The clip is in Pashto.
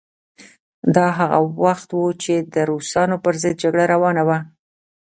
دا هغه وخت و چې د روسانو پر ضد جګړه روانه وه.